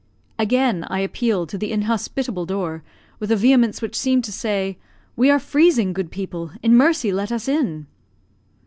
Again I appealed to the inhospitable door, with a vehemence which seemed to say, "We are freezing, good people; in mercy let us in!"